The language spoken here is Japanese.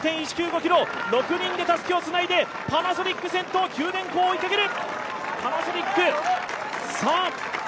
ｋｍ、６人でたすきをつないでパナソニック、先頭・九電工を追いかける。